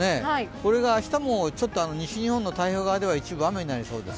これが明日もちょっと西日本の太平洋側では一部雨になりそうです。